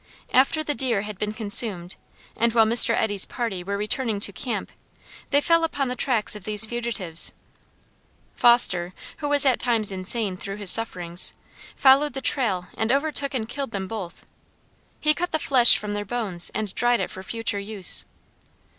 After the deer had been consumed, and while Mr. Eddy's party were returning to camp, they fell upon the tracks of these fugitives; Foster, who was at times insane through his sufferings, followed the trail and overtook and killed them both. He cut the flesh from their bones and dried it for future use.